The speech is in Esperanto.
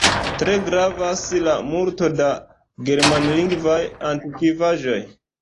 Tre gravas la multo da germanlingvaj antikvaĵoj.